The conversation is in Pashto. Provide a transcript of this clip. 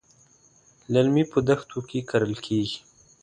للمي په دښتو کې کرل کېږي.